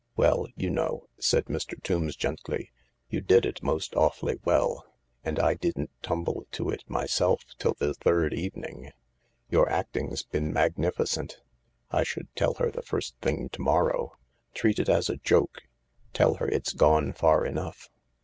"Well, you know," said Mr. Tombs gently, "you did it most awfully well, and I didn't tumble to it myself till the third evening. Your acting's been magnificent. I should tell her the first thing to morrow. Treat it as a joke^ tell her it's gone far enough.